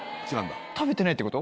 食べてないってこと？